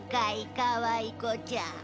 かわい子ちゃん。